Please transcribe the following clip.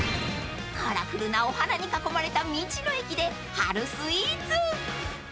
［カラフルなお花に囲まれた道の駅で春スイーツ］